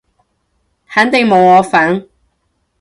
肯定冇我份